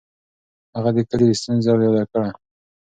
هغه د کلي ستونزه یاده کړه.